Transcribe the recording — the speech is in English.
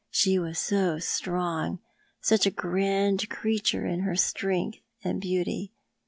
She was so strong, such a grand creature in her strength and beauty.